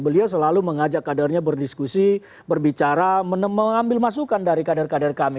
beliau selalu mengajak kadernya berdiskusi berbicara mengambil masukan dari kader kader kami